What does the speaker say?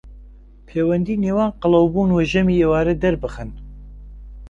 پەیوەندی نێوان قەڵەوبوون و ژەمی ئێوارە دەربخەن